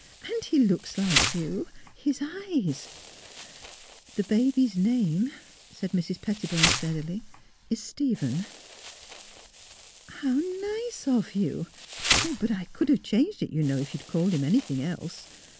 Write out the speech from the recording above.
And he looks like you; his eyes "" The baby's name," said Mrs. Pettibone, stead ily, " is Stephen." '' How nice of you !... But I could have changed it, you know, if you'd called him any thing else.